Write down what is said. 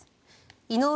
井上